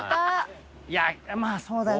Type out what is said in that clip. いやまあそうだよね。